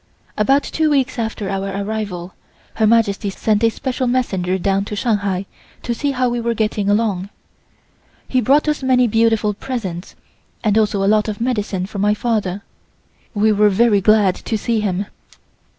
About two weeks after our arrival, Her Majesty sent a special messenger down to Shanghai to see how we were getting along. He brought us many beautiful presents and also a lot of medicine for my father. We were very glad to see him.